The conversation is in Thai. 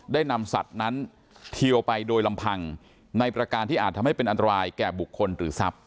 ได้นำสัตว์นั้นเทียวไปโดยลำพังในประการที่อาจทำให้เป็นอันตรายแก่บุคคลหรือทรัพย